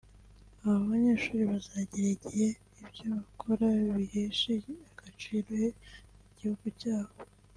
“Aba banyeshuri bazagera igihe ibyo bakora biheshe agaciro igihugu cyabo